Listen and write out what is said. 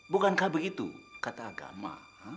bukankah begitu kata agama